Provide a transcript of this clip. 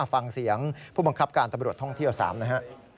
ฟังเสียงผู้บังคับการตำรวจท่องเที่ยว๓นะฮะ